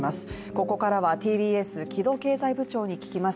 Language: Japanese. ここからはＴＢＳ木戸経済部長に聞きます。